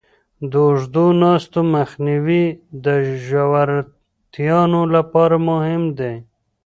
د اوږدو ناستو مخنیوی د روژهتیانو لپاره مهم دی.